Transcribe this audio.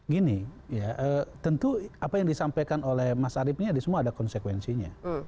gini ya tentu apa yang disampaikan oleh mas arief ini semua ada konsekuensinya